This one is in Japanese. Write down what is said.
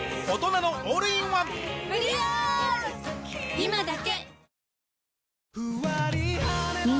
今だけ！